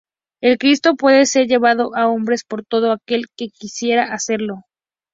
El cristo puede ser llevado a hombros por todo aquel que quiera hacerlo.